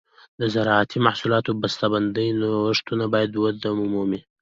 د زراعتي محصولاتو د بسته بندۍ نوښتونه باید وده ومومي.